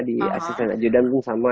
di asisten ajudan itu sama